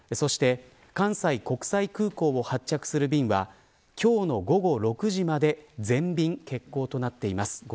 そして関西国際空港を発着する便は今日の午後６時まで全便欠航となっています。